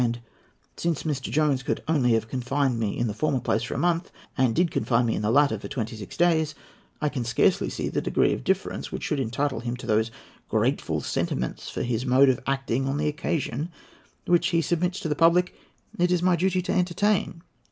And since Mr. Jones could only have confined me in the former place for a month, and did confine me in the latter for twenty six days, I can scarcely see that degree of difference which should entitle him to those 'grateful sentiments for his mode of acting on the occasion' which, he submits to the public, it is my duty to entertain.